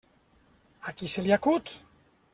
A qui se li acut!